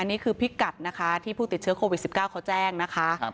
นี่คือพิกัดนะคะที่ผู้ติดเชื้อโควิด๑๙เขาแจ้งนะคะ